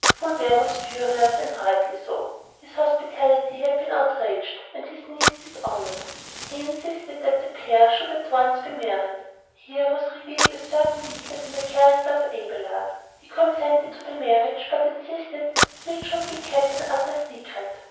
Fulbert was furious, and rightly so. His hospitality had been outraged and his niece dishonored. He insisted that the pair should at once be married. Here was revealed a certain weakness in the character of Abelard. He consented to the marriage, but insisted that it should be kept an utter secret.